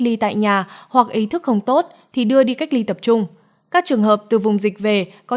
đi tại nhà hoặc ý thức không tốt thì đưa đi cách ly tập trung các trường hợp từ vùng dịch về có